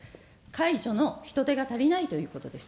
介助の人手が足りないということです。